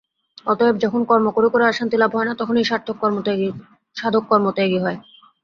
অতএব যখন কর্ম করে করে আর শান্তিলাভ হয় না, তখনই সাধক কর্মত্যাগী হয়।